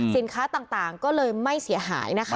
สินค้าต่างก็เลยไม่เสียหายนะคะ